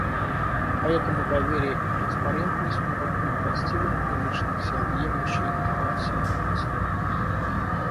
Поэтому доверие и транспарентность могут быть достигнуты лишь на всеобъемлющей и сбалансированной основе.